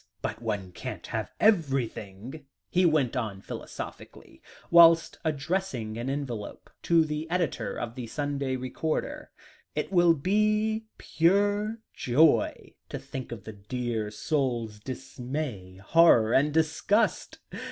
But one can't have everything," he went on philosophically, whilst addressing an envelope to the Editor of the Sunday Recorder; "it will be pure joy to think of the dear soul's dismay, horror, and disgust.